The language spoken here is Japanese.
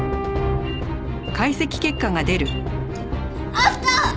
あった！